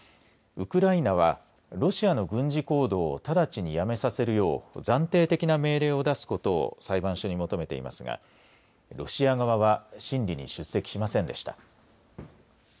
ウクライナはロシアの軍事行動を直ちにやめさせるよう暫定的な命令を出すことを裁判所に求めていますがロシア側は審理に出席しませんでした。